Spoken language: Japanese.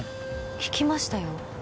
聞きましたよ。